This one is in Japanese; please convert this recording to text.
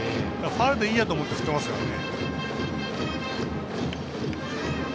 ファウルでいいやと思って振ってますからね。